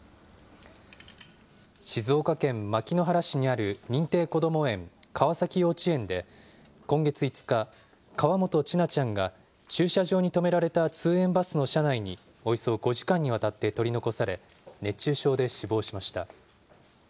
静岡県牧之原市にある認定こども園、川崎幼稚園で、今月５日、河本千奈ちゃんが駐車場に止められた通園バスの車内に、およそ５時間にわたって取り残され、熱中症で死亡しました。